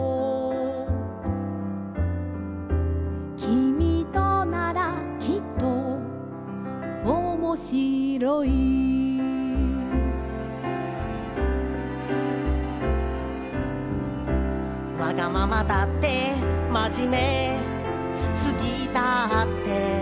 「君とならきっとおもしろい」「わがままだってまじめすぎだって」